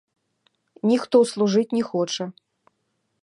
Ніхто служыць не хоча.